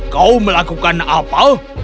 kau melakukan apa